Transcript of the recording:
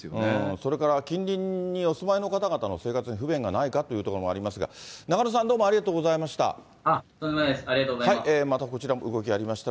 それから近隣にお住いの方々の生活に不便がないかというところもありますが、中野さん、どうもありがとうございました。